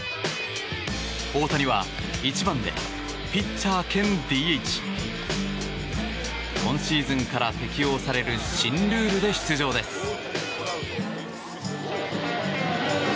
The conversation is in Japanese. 大谷は１番でピッチャー兼ＤＨ今シーズンから適用される新ルールで出場です。